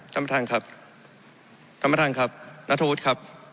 ท่านประธานครับท่านประธานครับนัทธวุฒิครับ